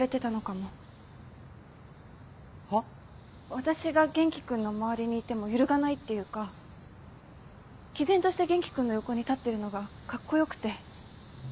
私が元気君の周りにいても揺るがないっていうか毅然として元気君の横に立ってるのがカッコよくて。